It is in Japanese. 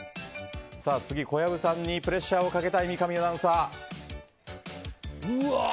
次、小籔さんにプレッシャーをかけたい三上アナウンサー。